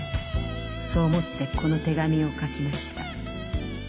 そう思ってこの手紙を書きました。